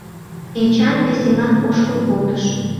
Эчан веселан ошкыл колтыш.